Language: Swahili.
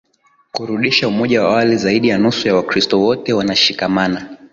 kurudisha umoja wa awali Zaidi ya nusu ya Wakristo wote wanashikamana